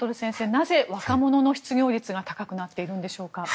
なぜ若者の失業率が高くなっているんでしょうか。